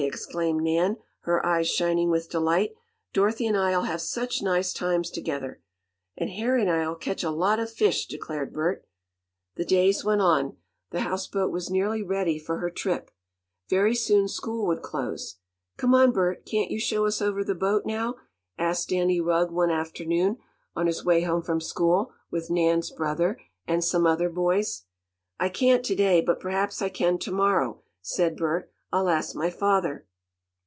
exclaimed Nan, her eyes shining with delight. "Dorothy and I'll have such nice times together!" "And Harry and I'll catch a lot of fish," declared Bert. The days went on. The houseboat was nearly ready for her trip. Very soon school would close. "Come on, Bert, can't you show us over the boat now?" asked Danny Rugg one afternoon, on his way home from school, with Nan's brother, and some other boys. "I can't to day, but perhaps I can to morrow," said Bert. "I'll ask my father."